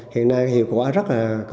hiện nay hiệu quả rất là cơ